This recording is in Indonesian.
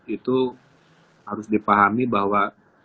itu harus dipahami bahwa